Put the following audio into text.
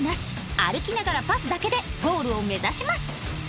歩きながらパスだけでゴールを目指します